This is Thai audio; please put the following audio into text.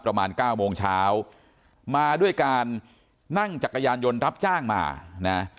ประมาณเก้าโมงเช้ามาด้วยการนั่งจักรยานยนต์รับจ้างมานะ